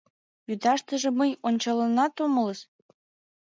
Вӱташтыже мый ончалынат омылыс!..